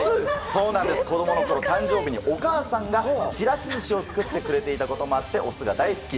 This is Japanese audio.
子供の時に誕生日にお母さんがちらしずしを作ってくれていたこともあってお酢が大好き。